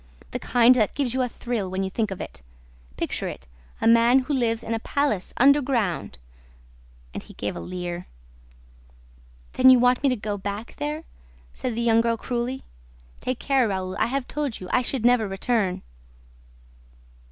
"The kind that gives you a thrill, when you think of it... Picture it: a man who lives in a palace underground!" And he gave a leer. "Then you want me to go back there?" said the young girl cruelly. "Take care, Raoul; I have told you: I should never return!"